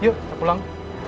yuk kita pulang